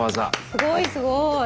すごいすごい！